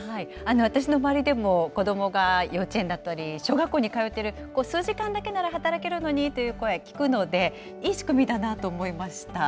私の周りでも、子どもが幼稚園だったり、小学校に通ってる、数時間だけなら働けるのにという声、聞くので、いい仕組みだなと思いました。